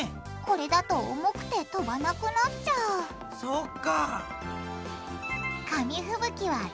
これだと重くて飛ばなくなっちゃうそっか。